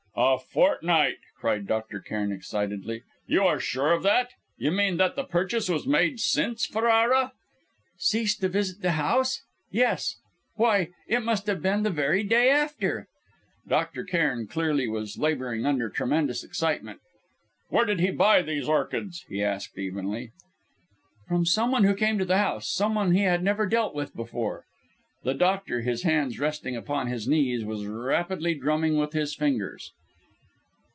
"A fortnight!" cried Dr. Cairn excitedly "you are sure of that? You mean that the purchase was made since Ferrara " "Ceased to visit the house? Yes. Why! it must have been the very day after!" Dr. Cairn clearly was labouring under tremendous excitement. "Where did he buy these orchids?" he asked, evenly. "From someone who came to the house someone he had never dealt with before." The doctor, his hands resting upon his knees, was rapidly drumming with his fingers.